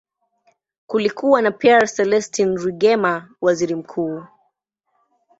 Kulikuwa na Pierre Celestin Rwigema, waziri mkuu.